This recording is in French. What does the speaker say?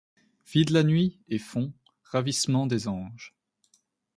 Vident la nuit, et font, ravissement des anges